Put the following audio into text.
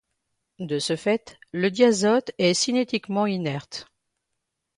De ce fait, le diazote est cinétiquement inerte.